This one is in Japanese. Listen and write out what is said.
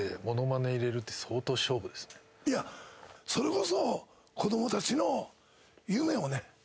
いやそれこそ。